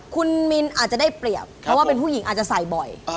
คุณมินอาจจะได้เปรียบเพราะว่าเป็นผู้หญิงอาจจะใส่บ่อย